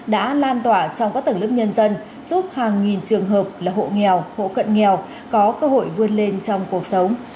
đã lan tỏa trong các tầng lớp nhân dân giúp hàng nghìn trường hợp là hộ nghèo hộ cận nghèo có cơ hội vươn lên trong cuộc sống